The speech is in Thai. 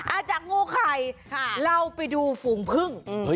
อาจารย์โง่ไข่เราไปดูฝูงพึ่ง